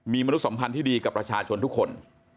มีมนุษัมพันธ์ที่ดีกับประชาชนทุกคน